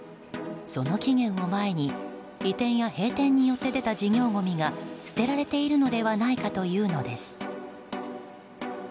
その期限を前に移転や閉店によって出たごみが捨てられているのではないかというのです。